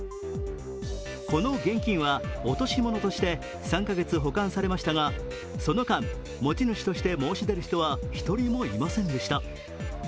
この現金は落とし物として３か月保管されましたがその間、持ち主として申し出る人は１人もいませんでした。